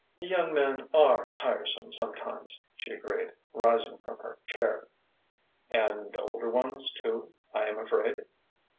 "Young men are tiresome sometimes," she agreed, rising from her chair. "And older ones too, I am afraid!"